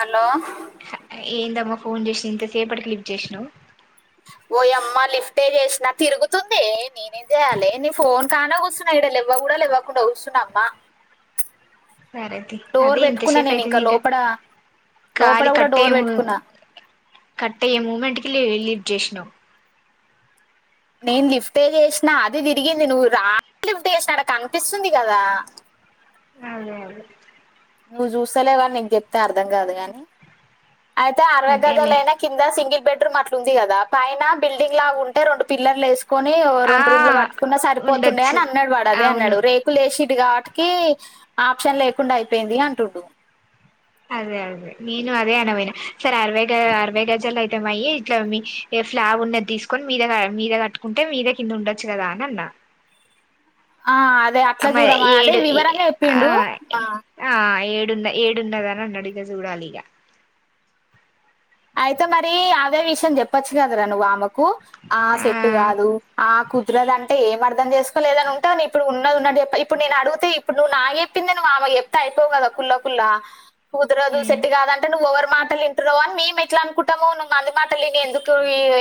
hello ఏందమ్మా phone చేసి ఇంతసేపటికి లిఫ్ట్ చేసినవ్ ఓయమ్మ లిఫ్ట్ చేసినా తిరుగుతుందె నేనేం చేయ్యాలి నీ ఫోన్ కాన కూసున్న ఇడా లేవ్వ కూడా లేవ లేవకుండా కుసునమ్మా సర తీ అదే పెట్టుకున్నా ఇంతాసేఫ్ నేను ఇంకా అయితందిగా లోపల లోపల కాలి కూడా కట్ డోర్ అయ్యె పెట్టుకున్నా కట్ అయ్యె మూమెంట్ కి లిఫ్ట్ చేసినవ్ నేను లిఫ్ట్ చేసినా అది తిరిగింది నువ్వు రా లిఫ్ట్ చేసినాడ నాకు కనిపిస్తుంది కదా అదే అదే నువ్వు చూస్తలే గాని నీకు చెప్తే అర్థం కాదు గాని అయితే అదేలే అరగజాలేనా కింద సింగిల్ బెడ్రూమ్ అట్లా ఉందిగా పైన బిల్డింగ్ లా ఉంటే రెండు పిల్లర్లు వేసుకుంటే కొని ఆ రెండు రూములు కట్టుకున్నా సరిపోతుండే ఉండొచ్చు అని అన్నాడు వాడు అదే అవును అన్నాడు రేకు ఇప్పుడు లేసిండు కాబట్టికి ఆప్షన్ లేకుండా అయిపోయింది అంటుండు అదే అదే నేను అదే అనబోయినా సరె అరవై గజాలు అరవై గజాలు అయితే మాయ్యి ఇట్లా మీ ఏ ఫ్లాగ్ ఉన్నది తీసుకొని మీద మీద కట్టుకుంటే మీద కింద ఉండొచ్చు కదా అని అన్నా ఆ అదే అట్లా అమ్మ చూడమా అదే ఏడు వివరంగా చెప్పిండు ఆ ఆ ఏడున్న ఏడున్నదానా అనడు ఇగ చూడాలీగ అయితే మరి అదే విషయం చెప్పొచ్చు కదరా నువ్వు ఆమెకు కు ఆ సెట్ కాదు ఆ కుదురదు అనికు అంట ఏంమర్థం చేసుకోలేదనింటంది అని ఇప్పుడు ఏం అర్థం చేసుకున్నలే ఏదైనా ఉంటే ఉన్నదిఉన్నది చెప్పితే ఇప్పుడు నేను అడిగితే ఇప్పుడు నువ్వు నాకు చెప్పింది నువ్ ఆమెకు చెప్పితే అయిపోవు కదా కుల కుల కుదరదు ఉమ్ సేట్ కాదంటే నువ్వు ఎవరి మాటలు ఇంటునవు అని మేము ఎట్లా అనుకుంటాము నువ్వు మంది మాటలు విని ఎందుకు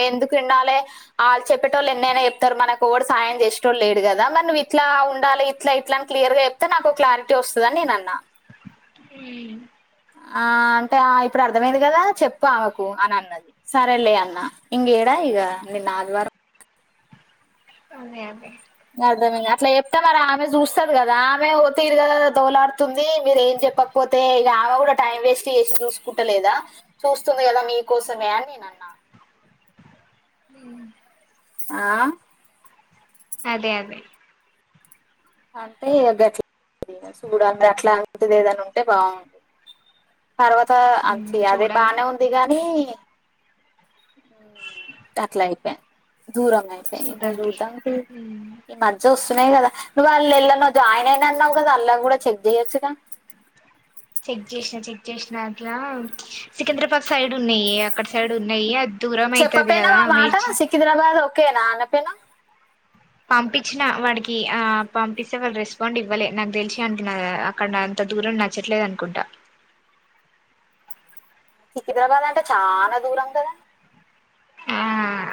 ఎందుకు ఉండాలి ఆళ్ళు చెప్పే టోలు వాళ్ళు ఎన్నైనా చెప్తారు మనకు కూడా సాయం చేసటోడు లేడు కదా మన ఇట్లా ఉండాలి ఇట్లా ఇట్లా క్లియర్ గా చెప్తే నాకు ఒక క్లారిటీ వస్తుంది అని నేను అన్నా ఉమ్ ఆ అంటే ఇప్పుడు అర్థమైంది కదా చెప్ చెప్తా అన్నది ఆమెకు సరేలే అన్నా ఇంగేడా ఇక నిన్న ఆదివారం అదే అదే అర్థమయింది అట్లా చెప్తే మరి ఆమె చూస్తది కదా ఆమె ఒక తీరు దోలాడుతుంది మీరు ఏం చెప్పకపొతె చెప్పకపోతే ఆమె కూడా టైం వేస్ట్ చేసి చూసుకుంటలేదా చూస్తుంది కదా మీకోసమే అని నేను అన్నా ఉమ్ ఆ అదే అదే అంటే [unintelligible] చూడాలి మరి అట్లాంటిది ఏదైనా ఉంటే బాగుంటంది తర్వాత ఉమ్ అంత అదే చూడాలి బానే ఉంది గానీ అట్ల అయిపోయి దూరం అయిపోయి ఇకా చూద్దాం తీ చూడనికి ఉమ్ ఈ మధ్య స్తున్నాయి కదా నువ్వు వెళ్ళు అనొద్దు ఎళ్ళావ్ అయిన అన్నావు కదా అలా కూడా చెక్ చెయచ్చుగా చెక్ చేసిన చెక్ చేసిన అట్లా సికింద్రాబాద్ సైడ్ ఉన్నాయి అక్కడ సైడ్ ఉన్నాయి అ దూరం అవుతుది చెప్పపోయినావు కదా ఆ మాట మేర్చి సికింద్రాబాద్ ఒకే నా ఆ అన్న పేనా పంపించిన వాడికి ఆ పంపిస్తే వాళ్ళు రెస్పాండ్ ఇవ్వాలే నాకు తెలిచ అంటున్నారు అక్కడ అంత దూరం నచ్చట్లేదు అనుకుంటా సికిద్రాబాద్ అంటే చాలా దూరం కదా ఆ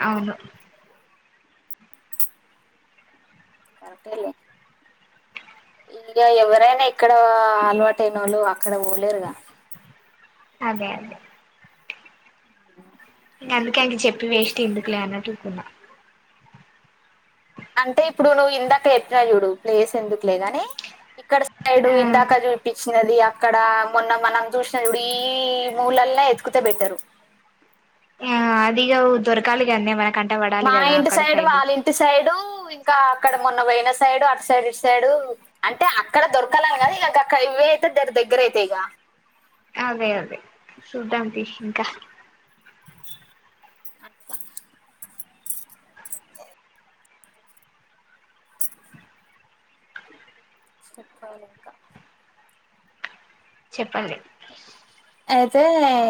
అవును కరెక్ట్ ఏ లే ఇక ఎవరైనా ఇక్కడ అలవాటయిన వాళ్ళు అక్కడ పోలేరుగా అదే అదే ఇక అందుకే అండి చెప్పి వేస్ట్ ఎందుకులే అన్నట్టుకున్నా అంటే ఇప్పుడు నువ్వు ఇందాక చెప్పినవ్ చూడు ప్లేస్ ఎందుకులే గానీ ఇక్కడ సైడు ఆ ఇందాక చూపించినది అక్కడ మొన్న మనం చూసినాం చూడు ఈ ఈ ఈ మూలల్లోనే వెతుకు [unintelligible] పెడ్తారు ఆ అదిగా దొరకాలిగద్నే మనకంట పడాలి కదా అక్కడ సైడ్ ఇటి సైడు ఇంకా అక్కడ మొన్న పోయిన సైడు అటు సైడ్ ఇటు సైడు అంటే అక్కడ దొరకాలని కదు ఇలా గక్క ఇవే అయితే దర దగ్గర అయితయై గా అదే అదే చూద్దాం తీ ఇంకా చెప్పాలి ఇంకా చెప్పండి అయితే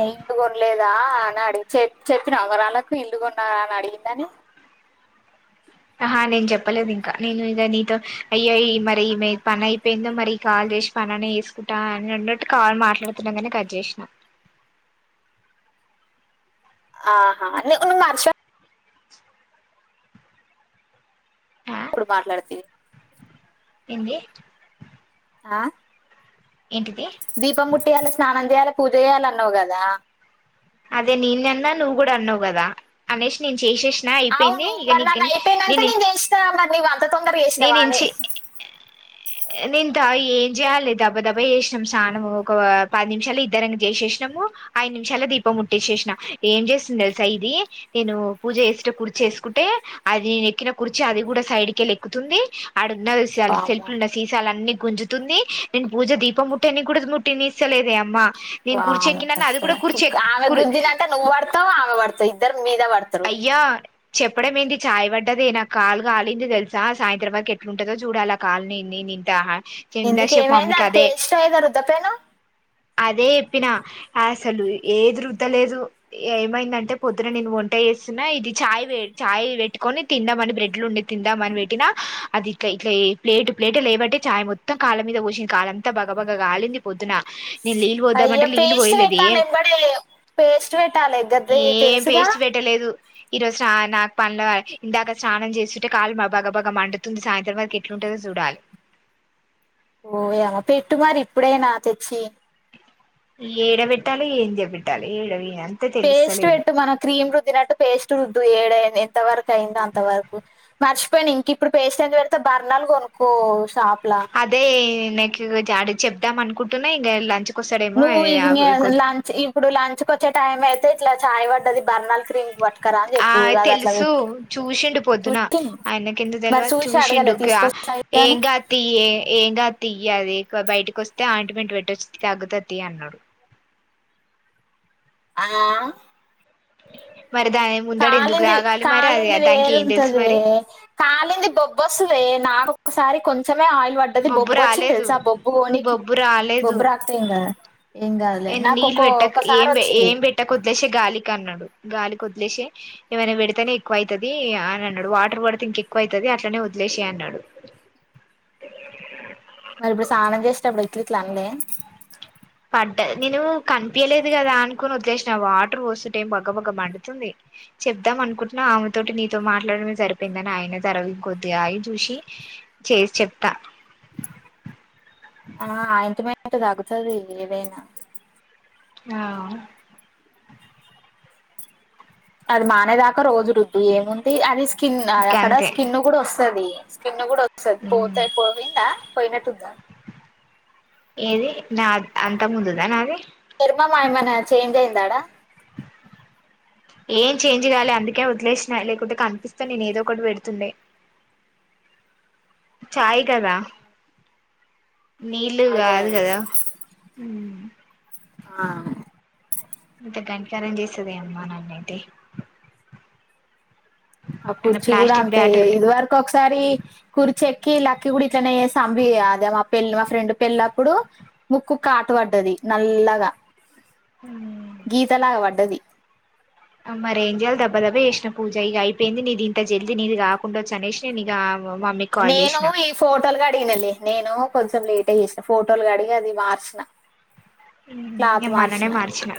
ఇల్లు కొనలేదా అని అడిగి చె చెప్పిన వరాలకు ఇల్లు కొన్న అని అడిగిందని హ నేను చెప్పలేదు ఇంకా నేను ఇక నీతో అయ్యాయి మరి ఈమె పని అయిపోయిందో మరి కాల్ చేసి పనిని వేసుకుంటా అని అన్నట్టు కాలు మాట్లాడుతున్నా కాగానే కట్ చేసిన ఆహాహా నువ్ నువ్ నార్షా ఆ ఇప్పుడు మాట్లాడితివి ఏంది ఆ ఏంటిది దీపం ముట్టియాలి స్నానం చేయాలి పూజ చేయాలి అన్నావు గాదా అదే నేను అన్న నువ్వు గూడా అన్నావ్ గాదా అనేసి నేను చేసేసిన అయిపోయింది అవును మరి ఇగ నాకు నీ అయిపోయినాక నేను చేసిన మరి నీవు అంత తొందరగా నీ చేసినవా అని నుంచి అ నేనుంత ఏం చేయాలి దబ్బా దబ్బా చేసినాము స్నానము ఒక పది నిమిషాలు ఇద్దరంగా చేసేసినాము ఐదు నిమిషాల దీపం మట్టిసేసిన ఏం చేసింది తెలుసా ఇది నేను పూజ చేసేటప్పుడు కుర్చీ వేసుకుంటే అది నే ఎక్కిన కుర్చీ అది కూడా సైడ్కేలెక్కుతుంది ఆడ ఉన్నది సెల్ వామ్మో సెల్ఫల్ ఉనాయి సీసాలు అన్ని గుంజుతుంది నేను పూజ దీప ముట్టనే అని కూడా ముట్టినిస్తలేదే అమ్మా నేను కుర్చి ఎక్కిననా అది కూడా కుర్చే గుద్దినంక నువ్వు పడతవు ఆమె పడతాయ్ ఇద్దరు మీద పడతారు య్యా చెప్పడం ఎంది చాయ పడ్డది నాకు కాలుకాలింది తెలుసా సాయంత్రం వరకు ఎట్లుంటదో చూడాల కాలనిని నింటా ఎందుకు ఇందాసేపు ఏమైంది మమ్మకి అది అదే పేస్ట్ ఏదో రుద్దపేను అదే చెప్పినా అసలు ఏదీ రుద్దలేదు ఏమైందంటే పొద్దున నేను వ వంట చేేస్తున్నా ఇది చాయ్ చాయ్ పెట్టుకొని తిందాంమని బ్రెడ్లు ఉండి తిందాంమని పెట్టినా అది ట్ల ఇట్లాయే ప్లేటు ప్లేట్ లేబట్టే చాయ్ మొత్తం కాళ్ళ మీద పోసింది కాలంతా బగ బగ కాలింది పొద్దున నీళ్లు అయ్యో పోద్దామంటే నీళ్ళు పేస్ట్ పెట్టాలి పోయలేదేం ఎంబడే పేస్ట్ పెట్టాలి గది ఏం తెలుసుగా పేస్ పెట్టలేదు ఈ రోచ నాకు పన్ల ఇందాక స్నానం చేస్తుంటే కాళ్లు బగ బాగ మండుతుంది సాయంత్రం వరకి ఎట్లుందొ చూడాలి ఓయా పెట్టు మరి ఇప్పుడైనా తెచ్చి ఏడ పెట్టాలి ఏం చే పెట్టాలి ఏడ వేయా పేస్ట్ పెట్టు మనం క్రీమ్ రుద్దినట్టు పేస్ట్ రుద్దు ఏడైంది ఎంత వరకు అయిందో అంతవరకు మర్చిపోయినా ఇంక ఇప్పుడు పేస్ట్ ఎంత పెడతవ్ బర్నల్ కొనుక్కో షాప్లా దే నీకు చాడి చెప్దాం అనుకుంటున్నా ఇంకా లంచ్ నువ్వు ఇంగే లంచ్ ఇప్పుడు లంచ్కు వచ్చే టైం అయితే ఇట్లా ఛాయ్ పడ్డది బర్నాలు క్రీము పట్టుకరా అని ఆ చెప్పు అది అట్లా తెలుసు పెట్ చూసిండు పొద్దున టిన్ ఆయనకి ఎందుకు మరి తెలవదు చూసి అడగలే తీస్కో సైడ్ గాని తియ్యే ఏం గాదు తియ్యే అది ఎక్కువ బయటకి వస్తే ఆయిట్మెంట్ పెట్టొచ్చు తగ్గుతది తి అన్నారు ఆ మరి దాయం కాలింది కాలింది తెలుసు వేరుంటదే మరి కాలింది బొబ్బొస్తదే నాకొక్కసారి కొంచెమే ఆయిల్ వడ్డది బొబ్బు వచ్చింది తెలుసా బొబ్బు పోనీకి బొబ్బు రాలేదు బొబ్బు రాక్తే ఏం కాద ఏం కాదులే నాకు ఒకో ఒక్క ఒకసారి వచ్చింది టక్ కొదిలేసేయ్ గాలి కన్నాడు గాలికి వదిలేసే ఏమైనా పెడితేనే ఎక్కువ అయితది అని అన్నాడు వాటర్ పడితే ఇంక ఎక్కువ అయితది అట్లనే వదిలేసే అన్నాడు మరి ఇప్పుడు స్నానం చేసేటప్పుడు ఇట్టిట్ల అన్లే పడ్డ నేను కనిపియలేదు కదా అనుకుని ఒగ్గేసిన వాటర్ పోస్తుంటే బగ్గ బగ్గ మండుతుంది చెప్దాం అనుకుంటున్నా ఆమెతోటి నీతో మాట్లాడమే సరిపోయిందని ఆయన తరవి కొద్దిగా ఆగి చూసి చేసి చెప్తా ఆ ఆయింట్మెంట్ తగ్గుతది ఏదైనా ఆ అది మానేదాకా రోజు రుద్దు ఏముంది అది స్కిన్ అక్కడ గంతే స్కిన్ కూడా వస్తది స్కిన్ కూడా స పోతాయి పోయిందా పోయినట్టుందా ఏది నా అంత ముందుర నాది చర్మం ఏమన చేంజ్ అయిందా ఆడా ఏం చేంజ్ గాలే అందుకే వదిలేసినా లేకుంటే కనిపిస్తా నేను ఏదో ఒకటి పెడుతుండే చాయ్ కదా నీళ్ళు అదే కాదు అదే కదా ఉమ్ ఆ ఇంత కనికరం చేసేది ఏమ్మా నన్నయితే ఆ అన్న కుర్చీ కూడా ప్లాస్టిక్ అంతే బ్యాట్ ఇది వరకు ఒకసారి కూర్చెకి ఇ లక్కి కూడా ఇట్లనే సంబ అదే మా పెళ్ళ మా ఫ్రెండ్ పెళ్ళప్పుడు ముక్కు కాటు పడ్డది నల్లగా గీతలాగ పడ్డది మరి ఏం చేయాలి దబ్బ దబ్బ చేసినా పూజ ఇక అయిపోయింది నీది ఇంత జల్ీ నీది రాకుండా వచ్చు అనేసి నేను ఇక మామ్మీ నేను ఈ ఫోటోలుగా అడిగినలె నేను కొంచెం లేట్ అయ చేసిన ఫోటోలుగా అడిగి అది మార్చిన నేను మొన్ననే మార్చిన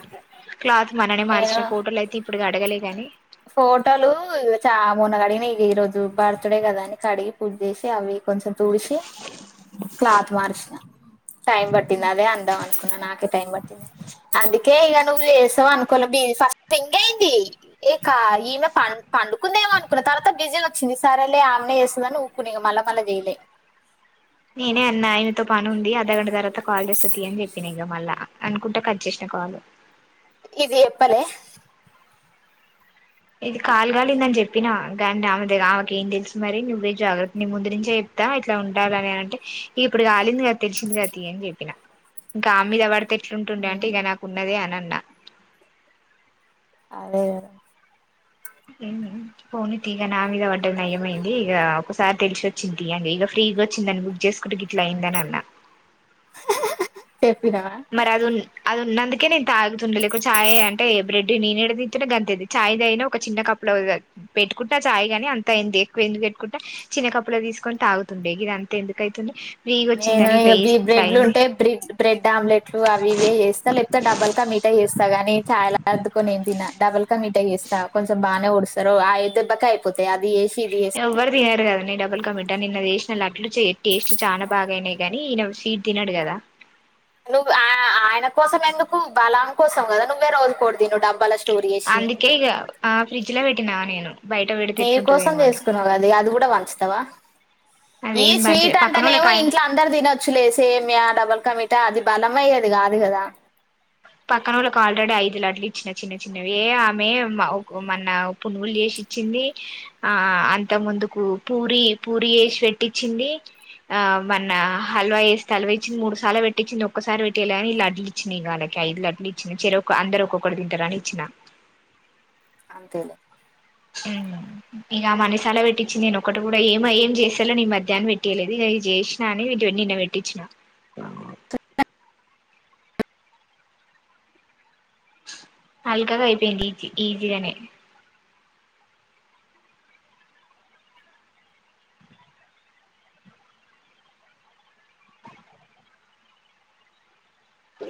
క్లాత్ మననే నేను మార్చిన ఫోటోలు అయితే ఇప్పుడు అడగలే గాని ఫోటోలు చ మొన్న అడిగిన ఈ రోజు బర్త్డే కదా అని కడిగి పూజ చేసి అవి కొంచెం తుడిసి క్లాత్ మార్చిన టైం పట్టింది అదే అందం అని అనుకున్నా నాకే టైం పట్టింది అందుకే ఇక నువ్వు చేసావు అనుకోల బీ ఫస్ట్ హంగ్ అయింది ఇకా ఈమె పం పండుకుందేమో అనుకున్న తర్వాత బిజీ వచ్చింది సరేలే ఆమెనే చేస్తుా నువ్ కు నె మల్ల మల్ల జెయిలే నేనే అన్న ఆయనతో పని ఉంది అర్ధగంట తర్వాత కాల్ చేసే తీ అని చెప్పిన ఇక మళ్ళా అనుకుంటే కట్ చేసిన కాల్ ఇది ఎప్పలే ఇది కాల్ గాలిింద అని చెప్పిన కాగానీ ఆమె ద ఆమెకి ఏం తెలుసు మరి నువ్వే జా్ర నవవు ముందు నుంచే ఇట్లా ఉండాలని అంటే ఇప్పుడు కాలిందిగ తెలిసింది గ తీ అని చెప్పిన ఇంకా ఆ మీద వాడితే ఎట్లుంటుండే అంటే ఇక నాకు ఉన్నదే అని అన్నా హాయ్ ఊహు పోోని తీ ఇక నా మీద వడ్డడం నయమైంది ఇగ ఒకసారి తెలిసి వచ్చింది ఇక ఫ్రీగా వచ్చిందని బక్ చేసు కుటికి ఇట్ల అయిింది అని అన్నా చెప్పినవా మరి అది అది ఉన్నందుకే నేను తాగుతుండ లేకు చాయ్ అంటే బ్రెడ్డు నేనుెడ తిన్నా గంతేది చాయ్ దాగినా ఒక చిన్న కప్పు లో పెట్టుకుంటా ఆ చాయ్ గాని అంతా ఎ ఎక్కువ ఎందుకు పెట్టుకుంటా చిన్న కప్పులు తీసుకొని తాగుతుండే గిది అంత ఎందుకు అయితుంది నేనా ఇ బ్రెడ్లు ఉంటాయి బ్రెడ్ బ్రెడ్ ఆమ్లెట్లు అవి ఇవే చేస్తా లేకపోతే డబల్ క మీట చేస్తా ని చాయ్ లో అర్దుకొని ఏం తిన డబల్గా మీఠా చేస్తా కొంచెం బాగానే ఊస్తారు ఐదుెబ్బక అయిపోతాయి అది ఇది చేసి ఎవ్వర్ దియ్యారు కదా ని డబల్ క మిర్ట నిన్న జేష్ అస లడ్లు టేస్ట్ చాలా బాగాయినాయి కాగానీ ఈయ స్వీట్ తినడు కదా నువ్వు ఆ ఆయన కోసం ఎందుకు బలం కోసం కదా నువ్వే రోజు కొకటి తెను డబ్బల అందుకే ఇక ఆ ఫ్రిడ్జ్ లో పెట్టినావ నేను బయట పెడితే నీ కోసం ఎట్లుంటదేమో అని చేసుకున్నావు కది అది కూడా వంచుతావా ఈ అదేం మంచిది స్వీట్ అంటేనేమో పక్కనోళ్ళ ఇంట్లో అందరు తినొచ్చులే సీమియా డబుల్ కమిట అది బలం అయ్యేది కాదు కదా పక్కన వాళ్ళకి ఆల్రెడీ ఐదు లడ్లు ఇచ్చిన చిన్న చిన్నవి ఎ ఆమె మన పునుగులు చేసి ఇచ్చింది ఆ అంత ముందుకు పూరి పూరి వేసి పెట్టించిింది ఆ మోన్న హల్వా వేస్తే అల్వ ఇచ్చింది మూడు సార్లు పెట్టించిింది ఒక్కసారి పెట్టేయాలి కాని లడ్లు ఇచ్చినాయి కాగా ఐదు లడ్లు ఇచ్చినా చెర ఒక అందరు ఒక్కొక్కటి తింటారని ఇచ్చినా అంతేలె ఊహు ఇక మనసాలా పెట్టించిింది నేను ఒకటి కూడా ఏమ ఏం చేసాలో నీ మధ్యాహ్న పెట్టేయలేదు జేష్ [unintelligible] అని నిన్న వెెట్టిచ్చిన అల్గ కైపోయిడి ఈ జి ఈజిగనే స